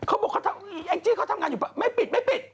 เขาขอถามอ่าวแอ้งจิเขาทำงานอยู่ป่ะไม่ปิด